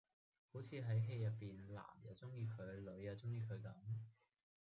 好似喺戲入邊男又鍾意佢女又鍾意佢咁